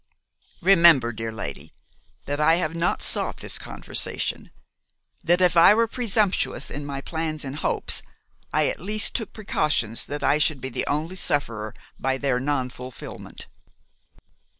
Remember, dear lady, that I have not sought this conversation; that if I were presumptuous in my plans and hopes, I at least took precautions that I should be the only sufferer by their nonfulfilment.